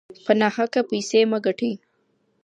په ناحقه پیسې مه ګټئ.